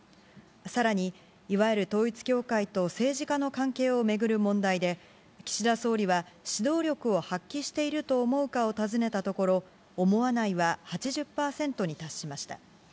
さらに、いわゆる統一教会と政治家の関係を巡る問題で、岸田総理は指導力を発揮していると思うかを尋ねたところ、思わないは８０％に達しました。